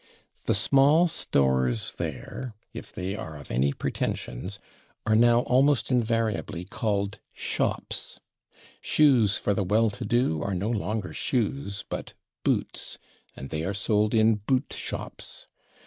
The small stores there, if they are of any pretentions, are now almost invariably called /shops/. Shoes for the well to do are no longer [Pg137] /shoes/, but /boots/, and they are sold in /bootshops